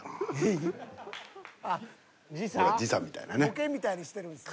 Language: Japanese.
ボケみたいにしてるんですね。